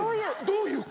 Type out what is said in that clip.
どういう。